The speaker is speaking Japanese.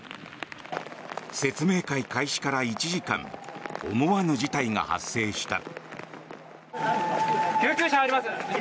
説明会開始から１時間思わぬ事態が発生した。